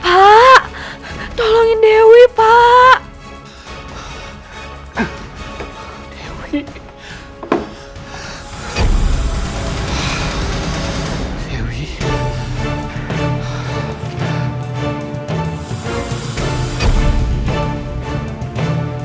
aku ingin melewati pada alamatmu dengan wrestling